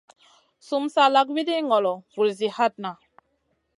Sumun sa lak wiɗi ŋolo, vulzi hatna.